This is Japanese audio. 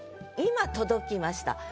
今届きました。